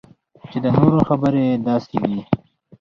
چې د نورو خبرې داسې وي